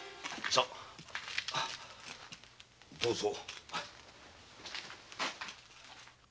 さどうぞ。